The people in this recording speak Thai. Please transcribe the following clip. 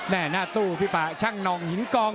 หน้าตู้พี่ป่าช่างหน่องหินกอง